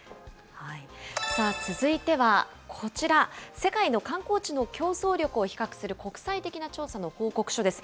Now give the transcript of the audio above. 続いてはこちら、世界の観光地の競争力を比較する国際的な調査の報告書です。